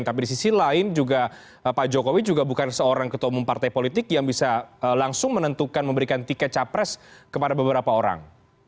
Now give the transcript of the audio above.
tapi di sisi lain juga pak jokowi juga bukan seorang ketua umum partai politik yang bisa langsung menentukan memberikan tiket capres kepada beberapa orang